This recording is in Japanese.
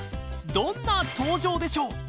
どんな登場でしょう？